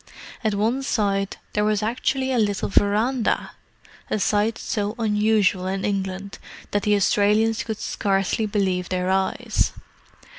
At one side there was actually a little verandah! a sight so unusual in England that the Australians could scarcely believe their eyes.